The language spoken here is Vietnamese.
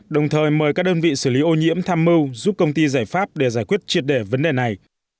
đồng thời mời các đơn vị xử lý ô nhiễm tham mưu giúp công ty giải pháp để giải quyết triệt đề vấn đề này